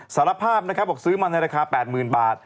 สารภาพบอกซื้อมันในราคา๘๐๐๐๐บาท